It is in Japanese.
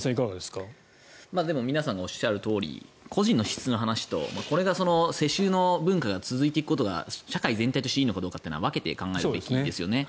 皆さんのおっしゃるとおり個人の資質の話と、これが世襲の文化が続いていくことが社会全体としていいのかは分けて考えるべきですね。